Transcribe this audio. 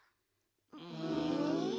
うん。